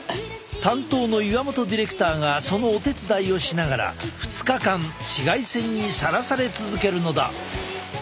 担当の岩本ディレクターがそのお手伝いをしながら２日間紫外線にさらされ続けるのだ！